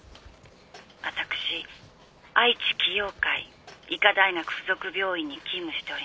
私愛知樹陽会医科大学付属病院に勤務しております